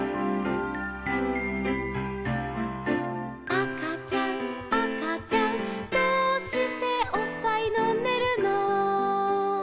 「あかちゃんあかちゃんどうしておっぱいのんでるの」